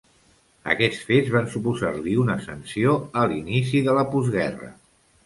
Aquests fets van suposar-li una sanció a l'inici de la postguerra.